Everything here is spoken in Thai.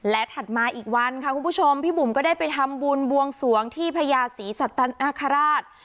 และถัดมาอีกวันค่ะคุณผู้ชมพี่บุ๋มก็ได้ไปทำบุญบวงสวงที่พญาศรีสัตนอาคาราช